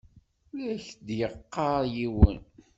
La ak-d-yeɣɣar yiwen.